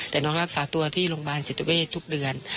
แต่น้องรักษาตัวที่โรงพยาบาลจิตเวททุกเดือน